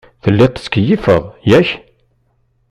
Telliḍ tkeyyfeḍ, yak?